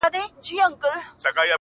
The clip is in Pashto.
دا کيږي چي زړه له ياده وباسم .